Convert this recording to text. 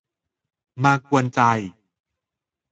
มากวนใจ